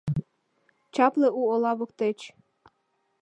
Чапле у ола воктеч.